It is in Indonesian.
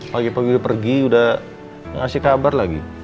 pagi pagi pergi udah ngasih kabar lagi